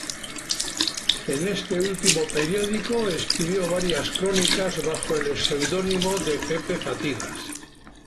En este último periódico escribió varias crónicas bajo el pseudónimo de Pepe Fatigas.